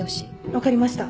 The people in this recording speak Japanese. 分かりました。